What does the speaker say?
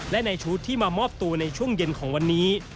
และในชุดที่มามอบตัวในช่วงเย็นของวันนี้